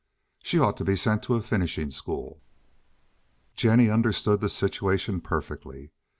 She ought to be sent to a finishing school. Jennie understood the situation perfectly.